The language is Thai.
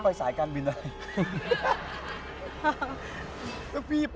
ไปสายการบินอะไร